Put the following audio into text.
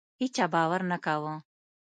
هیچا باور نه کاوه.